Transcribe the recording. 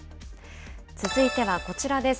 続いてはこちらです。